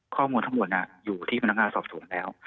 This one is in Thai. ข้อมูลทั้งหมดอยู่ที่พนักงานสอบสวนแล้ว